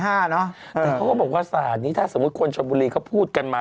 แต่เขาก็บอกว่าศาลนี้ถ้าสมมุติคนชนบุรีเขาพูดกันมา